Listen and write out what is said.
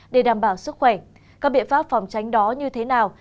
để đảm bảo sức khỏe các biện pháp phòng tránh đó như thế nào